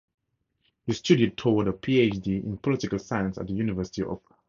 He studied toward a Ph.D. in political science at the University of Iowa.